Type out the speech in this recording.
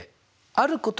あること？